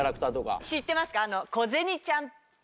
知ってますか？